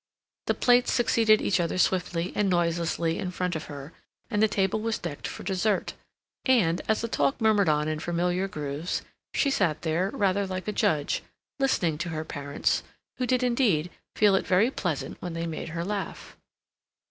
The plates succeeded each other swiftly and noiselessly in front of her, and the table was decked for dessert, and as the talk murmured on in familiar grooves, she sat there, rather like a judge, listening to her parents, who did, indeed, feel it very pleasant when they made her laugh.